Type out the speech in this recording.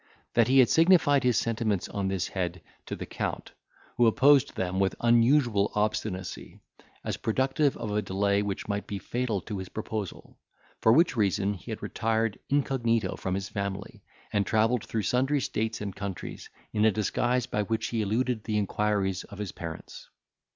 That he had signified his sentiments on this head to the Count, who opposed them with unusual obstinacy, as productive of a delay which might be fatal to his proposal; for which reason he had retired incognito from his family, and travelled through sundry states and countries, in a disguise by which he eluded the inquiries of his parents.